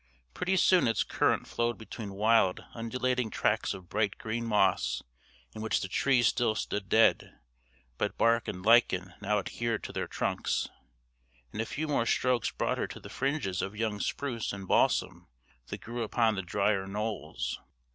Pretty soon its current flowed between wild undulating tracts of bright green moss in which the trees still stood dead, but bark and lichen now adhered to their trunks, and a few more strokes brought her to the fringes of young spruce and balsam that grew upon the drier knolls.